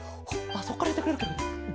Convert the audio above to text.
そっからやってくれるケロ？